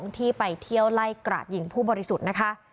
ที่ไปเที่ยวไล่กราดยิงผู้บริสุทธิ์นะคะ